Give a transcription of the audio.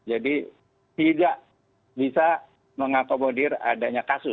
jadi tidak bisa mengakomodir adanya kasus